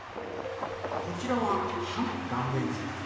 こちらははの断面図。